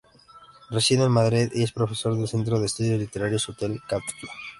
Reside en Madrid y es profesor del centro de estudios literarios Hotel Kafka.